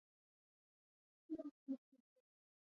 دښتې د افغانستان د ملي هویت نښه ده.